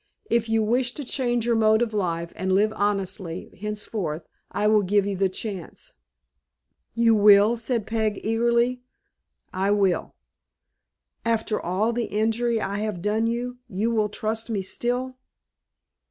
If you wish to change your mode of life and live honestly henceforth, I will give you the chance." "You will!" said Peg, eagerly. "I will." "After all the injury I have done you, you will trust me still?"